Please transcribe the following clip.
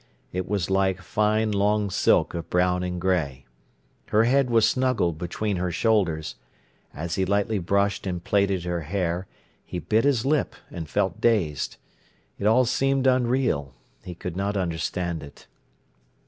It was like fine long silk of brown and grey. Her head was snuggled between her shoulders. As he lightly brushed and plaited her hair, he bit his lip and felt dazed. It all seemed unreal, he could not understand it.